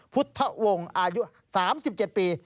พุทธวงศ์อายุ๓๗ปี